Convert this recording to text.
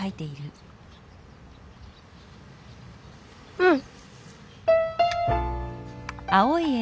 うん。